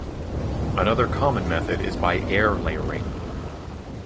Another common method is by air layering.